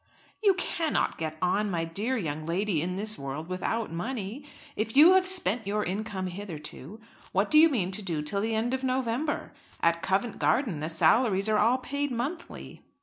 "You cannot get on, my dear young lady, in this world without money. If you have spent your income hitherto, what do you mean to do till the end of November? At Covent Garden the salaries are all paid monthly."